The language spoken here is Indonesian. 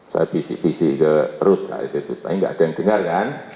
saya bisik bisik ke rute kayak gitu tapi enggak ada yang dengar kan